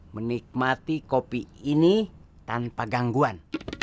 menikmati kopi ini tanpa gangguan